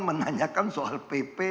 menanyakan soal pp